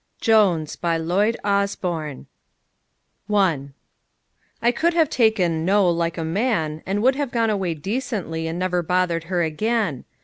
JONES BY LLOYD OSBOURNE I I could have taken "No" like a man, and would have gone away decently and never bothered her again.